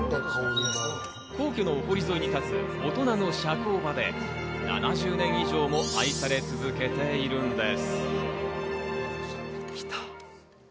皇居のお堀沿いに立つ大人の社交場で７０年以上も愛され続けているんです。